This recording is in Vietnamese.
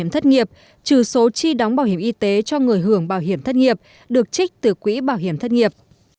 thất nghiệp trừ số chi đóng bảo hiểm y tế cho người hưởng bảo hiểm thất nghiệp được trích từ quỹ bảo hiểm thất nghiệp